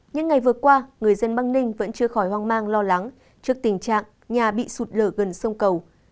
những ngày vừa qua người dân băng ninh vẫn chưa khỏi hoang mang lo lắng trước tình trạng nhà bị sụt lở gần sông cầu